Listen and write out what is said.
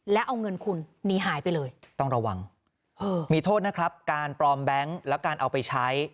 แล้วเอาเงินคุณหนีหายไปเลยต้องระวังมีโทษนะครับการปลอมแบงค์และการเอาไปใช้